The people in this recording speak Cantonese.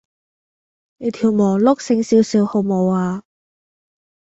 你條磨碌醒少少好無呀